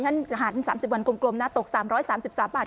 หัน๓๐วันกลมน่ะตก๓๓๓บาท